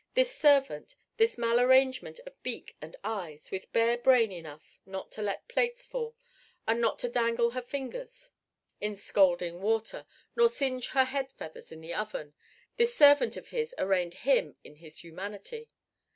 This servant, this mal arrangement of beak and eyes, with bare brain enough not to let plates fall and not to dangle her fingers in scalding water nor singe her head feathers in the oven this servant of his arraigned him in his humanity!